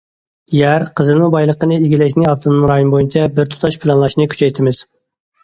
يەر، قېزىلما بايلىقنى ئىگىلەشنى ئاپتونوم رايون بويىچە بىر تۇتاش پىلانلاشنى كۈچەيتىمىز.